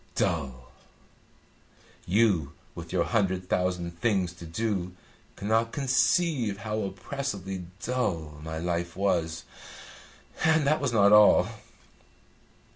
Dull! You, with your hundred thousand things to do, cannot conceive how oppressively dull my life was. And that was not all!"